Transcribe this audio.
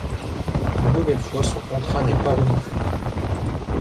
Une nouvelle fois son contrat n'est pas renouvelé.